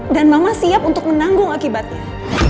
dan mama siap untuk menanggung akibatnya